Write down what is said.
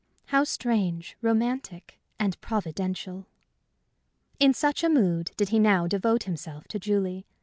How strange, romantic, and providential! In such a mood did he now devote himself to Julie.